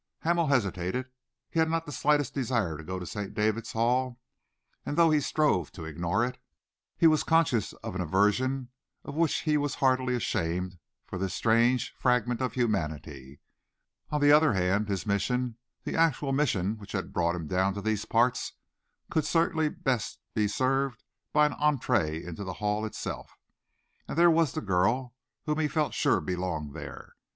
Hamel hesitated. He had not the slightest desire to go to St. David's Hall, and though he strove to ignore it, he was conscious of an aversion of which he was heartily ashamed for this strange fragment of humanity. On the other hand, his mission, the actual mission which had brought him down to these parts, could certainly best be served by an entree into the Hall itself and there was the girl, whom he felt sure belonged there.